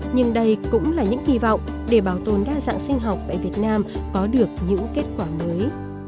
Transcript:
nhưng đây cũng là những kỳ vọng để bảo tồn đa dạng sinh học tại việt nam có được những kết quả mới